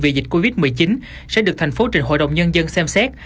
vì dịch covid một mươi chín sẽ được thành phố trình hội đồng nhân dân xem xét